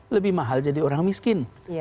lebih mahal jadi orang miskin